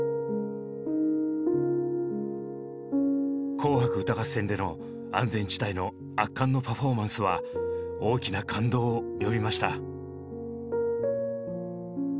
「紅白歌合戦」での安全地帯の圧巻のパフォーマンスは大きな感動を呼びました。